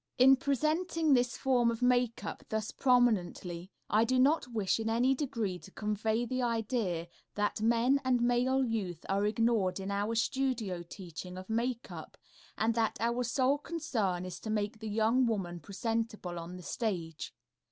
In presenting this form of makeup thus prominently, I do not wish in any degree to convey the idea that men and male youth are ignored in our studio teaching of makeup, and that our sole concern is to make the young woman presentable on the stage.